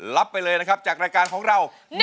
รับไปเลยนะครับจากรายการของเรา